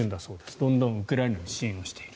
どんどんウクライナに支援している。